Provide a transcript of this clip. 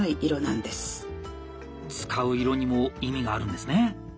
使う色にも意味があるんですね。